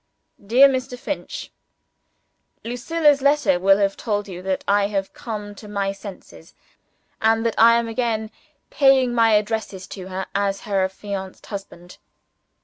"DEAR MR. FINCH, "Lucilla's letter will have told you that I have come to my senses, and that I am again paying my addresses to her as her affianced husband.